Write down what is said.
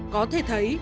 có thể thấy